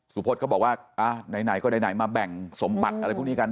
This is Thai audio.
สุพธก็บอกว่าไหนก็ไหนมาแบ่งสมบัติอะไรพวกนี้กัน